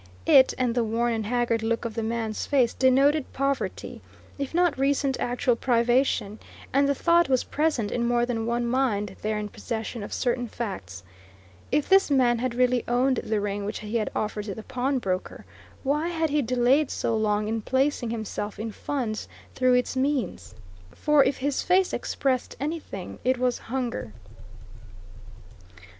It, and the worn and haggard look of the man's face, denoted poverty, if not recent actual privation, and the thought was present in more than one mind there in possession of certain facts: if this man had really owned the ring which he had offered to the pawnbroker, why had he delayed so long in placing himself in funds through its means? For if his face expressed anything, it was hunger.